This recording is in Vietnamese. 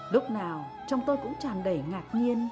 lúc nào trong tôi cũng tràn đầy ngạc nhiên